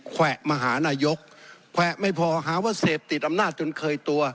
แวะมาหานายกแขวะไม่พอหาว่าเสพติดอำนาจจนเคยตัว